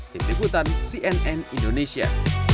diperikutan cnn indonesia